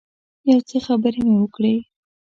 یو څه خبرې مو وکړې.